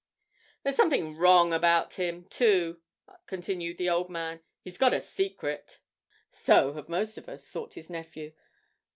'There's something wrong about him, too,' continued the old man; 'he's got a secret.' ('So have most of us!' thought his nephew.)